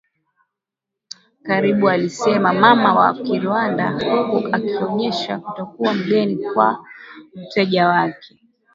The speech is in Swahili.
karibualisema mama wa Kinyarwanda huku akionesha kutokuwa mgeni kwa mteja wake